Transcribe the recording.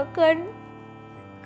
lalu dimarahin sama ibu